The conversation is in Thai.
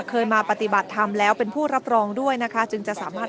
เคยมาปฏิบัติธรรมแล้วเป็นผู้รับรองด้วยนะคะจึงจะสามารถ